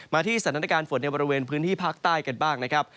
ที่สถานการณ์ฝนในบริเวณพื้นที่ภาคใต้กันบ้างนะครับ